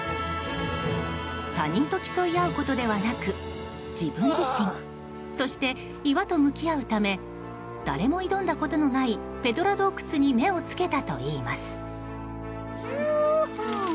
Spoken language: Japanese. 他人と競い合うことではなく自分自身そして岩と向き合うため誰も挑んだことのないペドラ洞窟に目を付けたといいます。